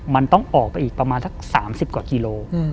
มันต้องออกไปอีกประมาณสัก๓๐กว่ากิโล